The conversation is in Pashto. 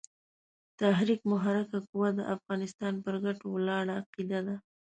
تحرک محرکه قوه د افغانستان پر ګټو ولاړه عقیده ده.